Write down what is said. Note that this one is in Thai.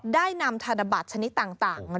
ได้นำธนบัตรชนิดต่าง